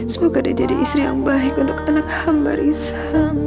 semoga dia jadi istri yang baik untuk anak hamba risa